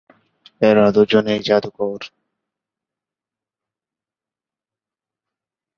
এরা দুজনেই জাদুকর।